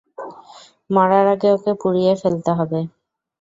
মরার আগে ওকে পুড়িয়ে ফেলতে হবে।